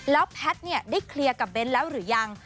แล้วแพทย์ได้เคลียร์กับเบ้นแล้วหรือยัง